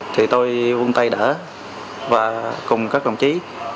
thì tôi vung tay đỡ và cùng các công chí